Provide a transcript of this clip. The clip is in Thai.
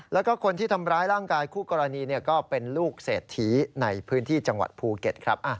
แล้วก็คนที่ทำร้ายร่างกายคู่กรณีก็เป็นลูกเศรษฐีในพื้นที่จังหวัดภูเก็ตครับ